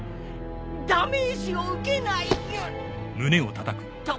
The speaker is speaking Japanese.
ダメージを受けないとか？